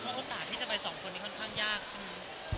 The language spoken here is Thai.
ขอโทษต่างที่จะไปสองคนอย่างค่อนข้างยากค่ะ